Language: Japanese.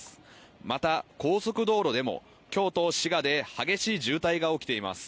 また高速道路でも京都、滋賀で激しい渋滞が起きています